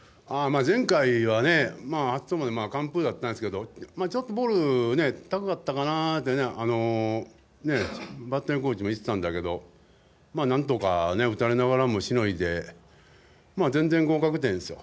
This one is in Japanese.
前回はね、あそこまで完封だったんですけどちょっとボール高かったかなってバッテリーコーチも言ってたんだけどなんとか、打たれながらもしのいで、全然合格点ですよ